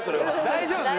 大丈夫？